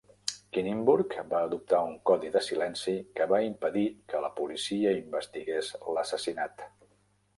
Kinniburgh va adoptar un codi de silenci que va impedir que la policia investigués l'assassinat.